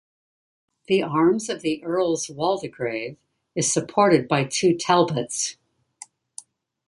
The arms of the Earls Waldegrave is supported by two talbots.